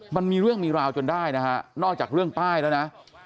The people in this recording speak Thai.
มันมีเรื่องมีราวจนได้นะฮะนอกจากเรื่องป้ายแล้วนะ